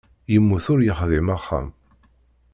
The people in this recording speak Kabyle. Yemmut ur yexdim axxam.